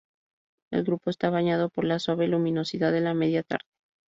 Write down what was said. El grupo está bañado por la suave luminosidad de la media tarde.